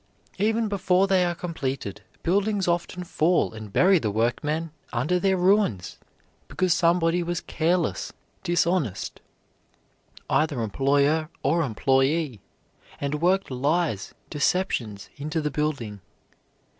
Even before they are completed, buildings often fall and bury the workmen under their ruins, because somebody was careless, dishonest either employer or employee and worked lies, deceptions, into the building.